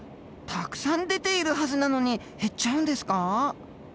たくさん出ているはずなのに減っちゃうんですか？